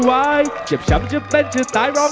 พักกันสักครู่นะครับ